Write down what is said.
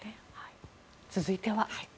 続いては。